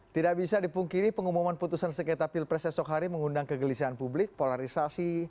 tidak bisa dipungkiri pengumuman putusan sengketa pilpres esok hari mengundang kegelisahan publik polarisasi